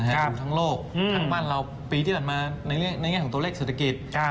ทั้งโลกทั้งบ้านเราปีที่ผ่านมาในแง่ของตัวเลขเศรษฐกิจ